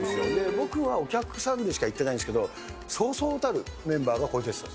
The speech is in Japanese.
僕はお客さんでしか行ってないんですけど、そうそうたるメンバーがここに出てた。